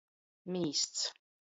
Mīsts.